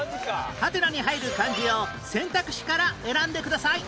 ハテナに入る漢字を選択肢から選んでください